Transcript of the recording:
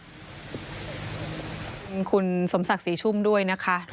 คุณสมศักดิ์ศรีชุ่มด้วยนะคะ